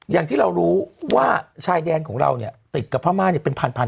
อย่างที่เรารู้ว่าชายแดนของเราเนี่ยติดกับพม่าเนี่ยเป็นพัน